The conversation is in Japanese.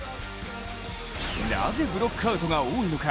なぜブロックアウトが多いのか。